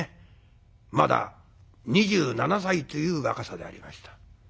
まだ２７歳という若さでありました。